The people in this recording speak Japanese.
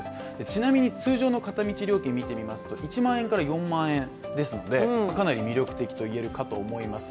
ちなみに通常の片道料金見てみますと１万円から４万円ですのでかなり魅力的と言えるかと思います。